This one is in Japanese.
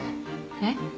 えっ。